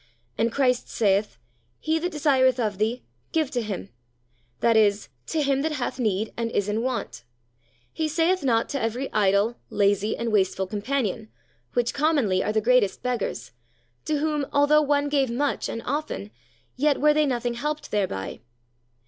And Christ saith, "He that desireth of thee, give to him;" that is, to him that hath need and is in want. He saith not to every idle, lazy, and wasteful companion, which commonly are the greatest beggars, to whom although one gave much and often, yet were they nothing helped thereby.